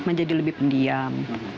menjadi lebih pendiam